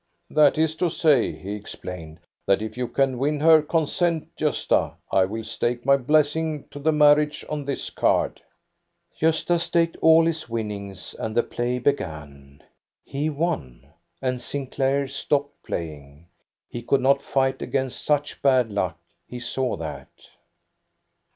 " That is to say," he explained, " that if you can win her consent, Gosta, I will stake my blessing to the marriage on this card." Gosta staked all his winnings and the play began. He won, and Sinclair stopped playing. He could not fight against such bad luck ; he saw that.